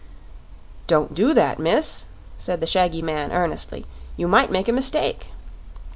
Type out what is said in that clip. "Don't do that, miss," said the shaggy man earnestly; "you might make a mistake."